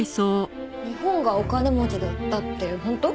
日本がお金持ちだったって本当？